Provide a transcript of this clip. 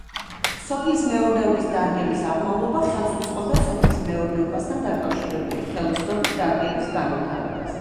სოფლის მეურნეობის დარგების აღმავლობა ხელს უწყობდა სოფლის მეურნეობასთან დაკავშირებული ხელოსნობის დარგების განვითარებას.